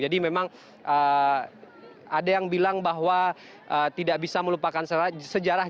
jadi memang ada yang bilang bahwa tidak bisa melupakan sejarah